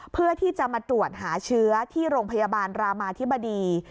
เพื่อที่จะมาตรวจหาเชื้อที่โรงพยาบาลรามาธิบดี